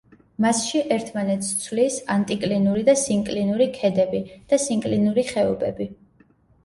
მასში ერთმანეთს ცვლის ანტიკლინური და სინკლინური ქედები და სინკლინური ხეობები.